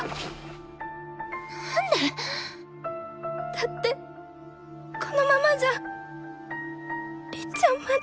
だってこのままじゃりっちゃんまで。